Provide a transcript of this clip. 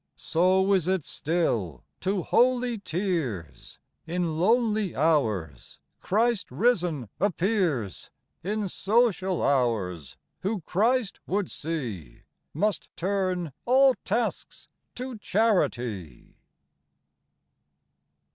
97 So is it still : to holy tears, In lonely hours, Christ risen appears : In social hours, who Christ would see Must turn all tasks to charity.